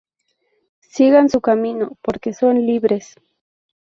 Sigan su camino, porque son libres.